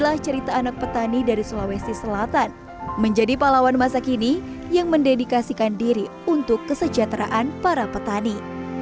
adalah cerita anak negeri dari selatan besok menjadi wan masa kini yang mendedikasikan diri untuk kesejahteraan para petani